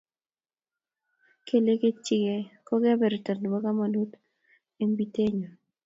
Kelegityigei ko kebebertab komonut eng pitenyo.